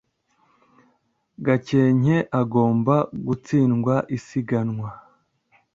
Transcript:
Gakenke agomba gutsindwa isiganwa.